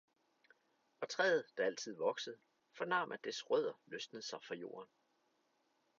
Og træet, der altid voksede, fornam at dets rødder løsnede sig fra jorden.